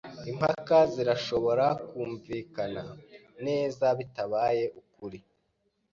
Impaka zirashobora kumvikana neza bitabaye ukuri.